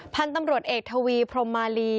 พันธุ์ตำรวจเอกทวีพรมมาลี